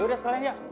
yaudah sekalian yuk